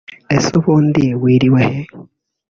Ese ubundi wiriwe he